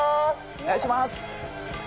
お願いします！